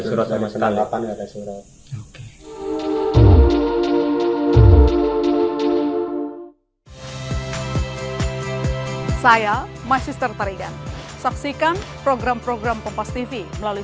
saya masih tertarikan saksikan program program kompas tv melalui